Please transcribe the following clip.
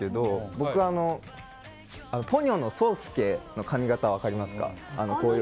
僕、「ポニョ」の宗介の髪形分かりますかね。